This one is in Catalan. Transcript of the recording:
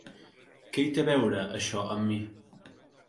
Què hi té a veure això amb mi?